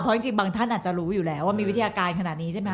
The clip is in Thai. เพราะจริงบางท่านอาจจะรู้อยู่แล้วว่ามีวิทยาการขนาดนี้ใช่ไหมค